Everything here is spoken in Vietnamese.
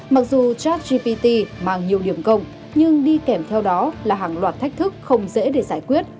mặc dù chatgpt mang nhiều điểm công nhưng đi kèm theo đó là hàng loạt thách thức không dễ để giải quyết